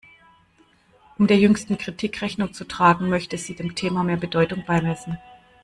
Um der jüngsten Kritik Rechnung zu tragen, möchte sie dem Thema mehr Bedeutung beimessen.